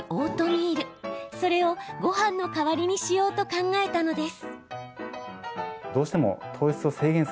それをごはんの代わりにしようと考えたのです。